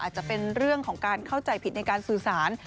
อาจจะเป็นเรื่องของการเข้าใจผิดในการสื่อสาร